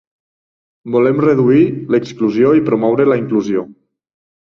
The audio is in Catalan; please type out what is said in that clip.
Volem reduir l'exclusió i promoure la inclusió.